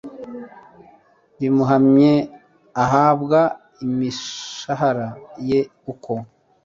rimuhamye ahabwa imishahara ye uko